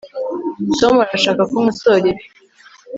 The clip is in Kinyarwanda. tom arashaka ko nkosora ibi